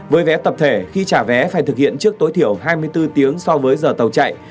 với vé tập thể khi trả vé phải thực hiện trước tối thiểu hai mươi bốn tiếng so với giờ tàu chạy